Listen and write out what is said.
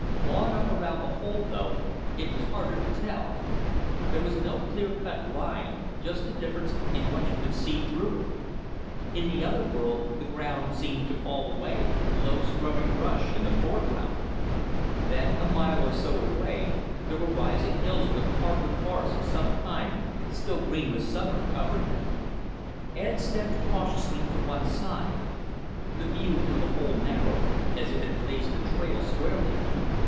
On up around the hole, though, it was harder to tell. There was no clear cut line, just the difference in what you could see through it. In the other world, the ground seemed to fall away, with low scrubby brush in the foreground. Then, a mile or so away, there were rising hills with hardwood forests of some kind, still green with summer, covering them. Ed stepped cautiously to one side. The view through the hole narrowed, as if it faced the trail squarely.